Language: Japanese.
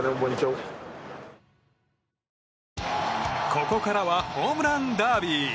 ここからはホームランダービー。